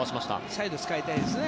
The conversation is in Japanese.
サイド使いたいですね。